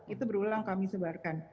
itu berulang kami sebarkan